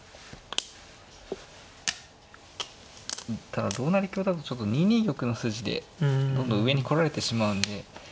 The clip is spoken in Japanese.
ただ同成香だとちょっと２二玉の筋でどんどん上に来られてしまうんで。